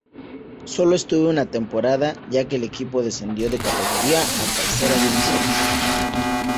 Sólo estuvo una temporada, ya que el equipo descendió de categoría, a Tercera división.